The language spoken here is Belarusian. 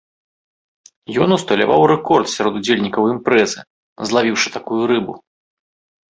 Ён усталяваў рэкорд сярод удзельнікаў імпрэзы, злавіўшы такую рыбу.